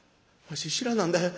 わし知らなんだ。